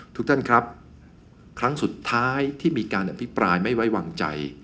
ทุกท่านครับครั้งสุดท้ายที่มีการอภิปรายไม่ไว้วางใจ